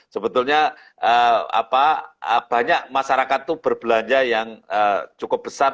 sebetulnya banyak masyarakat itu berbelanja yang cukup besar